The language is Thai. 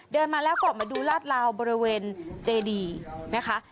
มาแล้วก็ออกมาดูลาดลาวบริเวณเจดีนะคะ